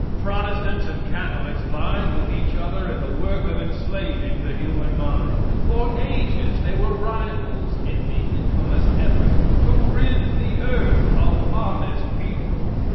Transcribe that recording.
Protestants and Catholics vied with each other in the work of enslaving the human mind. For ages they were rivals in the infamous effort to rid the earth of honest people.